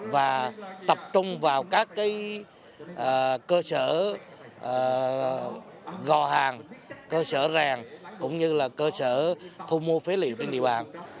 và tập trung vào các cơ sở gò hàng cơ sở rèn cũng như là cơ sở thu mua phế liệu trên địa bàn